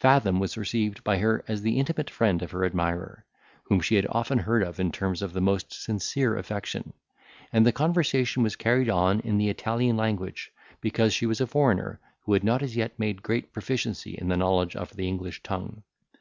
Fathom was received by her as the intimate friend of her admirer, whom she had often heard of in terms of the most sincere affection; and the conversation was carried on in the Italian language, because she was a foreigner who had not as yet made great proficiency in the knowledge of the English tongue.